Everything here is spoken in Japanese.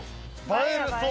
映えると。